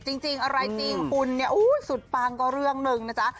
จริงอะไรจริงหุ่นเนี่ยสุดปังก็เรื่องหนึ่งนะจ๊ะ